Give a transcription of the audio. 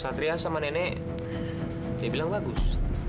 satria sama nenek dia bilang bagus